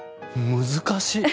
難しい。